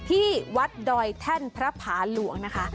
ที่วัดดอยแท่นพระผาหลวงนะคะ